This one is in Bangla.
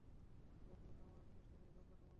সোনা, তুমি তো আমার শেখানো সব কথা মানতে?